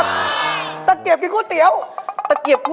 ไม่มีอะไรของเราเล่าส่วนฟังครับพี่